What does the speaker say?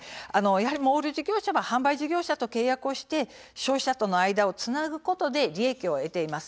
モール事業者は販売事業者と契約をして消費者との間をつなぐことで利益を得ています。